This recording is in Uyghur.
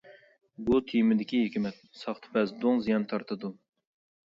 بۇ تېمىدىكى ھېكمەت : ساختىپەز دۇڭ زىيان تارتىدۇ!